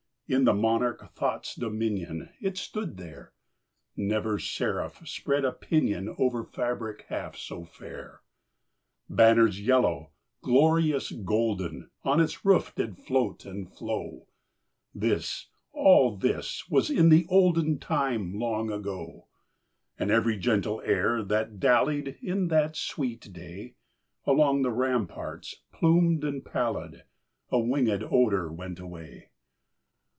In the monarch Thought's dominion It stood there! Never seraph spread a pinion Over fabric half so fair! Banners yellow, glorious, golden, On its roof did float and flow, (This all this was in the olden Time long ago), And every gentle air that dallied, In that sweet day, Along the ramparts plumed and pallid, A winged odor went away.